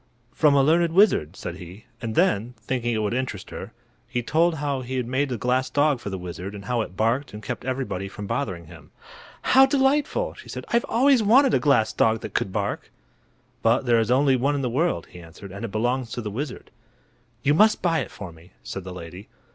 "From a learned wizard," said he; and then, thinking it would interest her, he told how he had made the glass dog for the wizard, and how it barked and kept everybody from bothering him. "How delightful!" she said. "I've always wanted a glass dog that could bark." "But there is only one in the world," he answered, "and it belongs to the wizard." "You must buy it for me," said the lady.